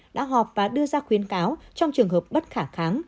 đã họp và đưa ra khuyến cáo trong trường hợp bất khả kháng